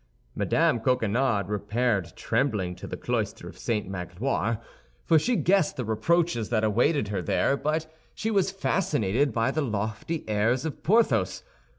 Mme. Coquenard repaired trembling to the cloister of St. Magloire, for she guessed the reproaches that awaited her there; but she was fascinated by the lofty airs of Porthos.